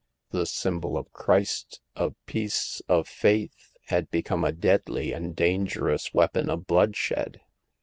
The symbol of Christ, of peace, of faith, had become a deadly and dangerous weapon of bloodshed.